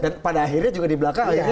dan pada akhirnya juga di belakang ya kan